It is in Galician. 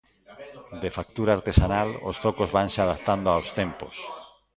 De factura artesanal, os zocos vanse adaptando aos tempos.